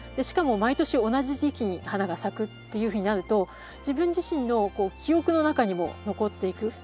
しかも毎年同じ時期に花が咲くっていうふうになると自分自身の記憶の中にも残っていく。